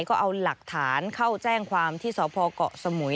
ก็เอาหลักฐานเข้าแจ้งความที่สพเกาะสมุย